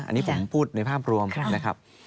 อันนี้ผมพูดในภาพรวมนะครับ